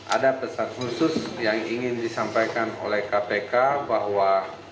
ada pesan khusus yang ingin disampaikan oleh kpk bahwa